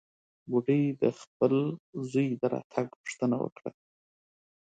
بوډۍ د خپل زوى د راتګ پوښتنه وکړه.